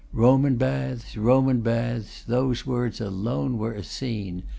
Roman baths, Roman baths; those words alone were a scene.